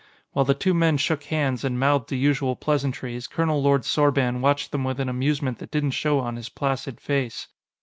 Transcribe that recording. While the two men shook hands and mouthed the usual pleasantries, Colonel Lord Sorban watched them with an amusement that didn't show on his placid face.